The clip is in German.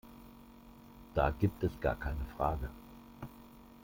Da gibt es gar keine Frage.